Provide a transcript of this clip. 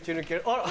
あら！